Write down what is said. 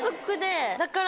だから。